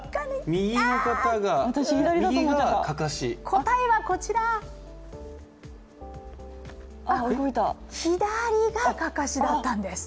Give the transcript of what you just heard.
答えはこちら、左がかかしだったんです。